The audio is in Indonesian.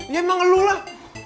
ya emang lu lah